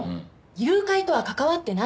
誘拐とは関わってないから。